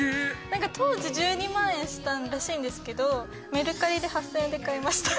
何か当時１２万円したらしいんですけどメルカリで８０００円で買いました